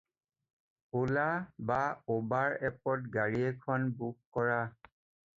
অ'লা বা উবাৰ এপত গাড়ী এখন বুক কৰা।